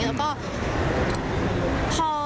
แล้วก็